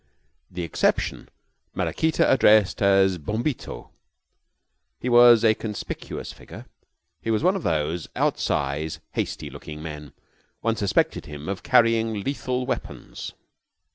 The exception Maraquita addressed as Bombito. He was a conspicuous figure. He was one of those out size, hasty looking men. One suspected him of carrying lethal weapons.